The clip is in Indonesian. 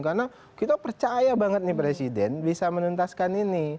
karena kita percaya banget nih presiden bisa menuntaskan ini